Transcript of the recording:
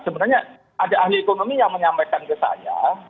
sebenarnya ada ahli ekonomi yang menyampaikan ke saya